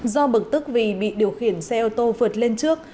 do bực tức vì bị điều khiển xe ô tô vượt lên trước